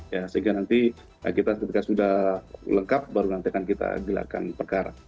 sehingga nanti ketika sudah lengkap baru nantikan kita gelarkan perkara